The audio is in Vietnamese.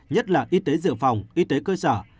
nhất là y tế dự phòng y tế cơ sở